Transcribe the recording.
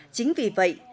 chính vì vậy